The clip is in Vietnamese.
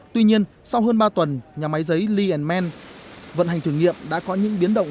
tuy nhiên sau hơn ba tuần nhà máy giấy lienman vận hành thử nghiệm đã có những biến động